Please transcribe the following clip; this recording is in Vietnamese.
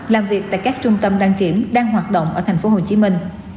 làm việc tại các trung tâm đăng kiểm đang hoạt động ở thành phố hồ chí minh